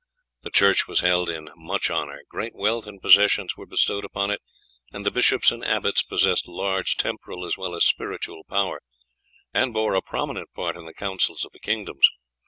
The church was held in much honour, great wealth and possessions were bestowed upon it, and the bishops and abbots possessed large temporal as well as spiritual power, and bore a prominent part in the councils of the kingdoms.